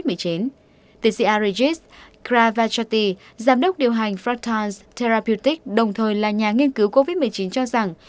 tiến sĩ arigis kravachati giám đốc điều hành fractals therapeutics đồng thời là nhà nghiên cứu covid một mươi chín cho rằng